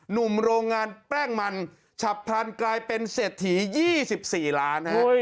หนุ่มโรงงานแป้งมันฉับพลันกลายเป็นเศรษฐี๒๔ล้านฮะ